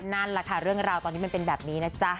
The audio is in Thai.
นั่นแหละค่ะเรื่องราวตอนนี้มันเป็นแบบนี้นะจ๊ะ